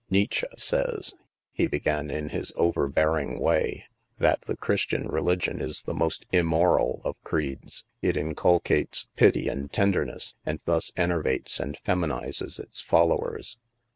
" Nietzsche says," he began in his overbearing way, "that the Christian religion is the most im moral of creeds. It inculcates pity and tenderness, and thus enervates and feminizes its followers.